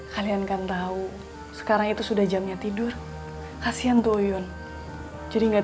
jadi kalau nggak sentuhan semuanya